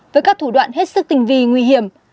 với các thủ đoạn hết sức tinh vi nguy hiểm